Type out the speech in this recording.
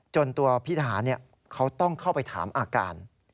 ตัวพี่ทหารเขาต้องเข้าไปถามอาการ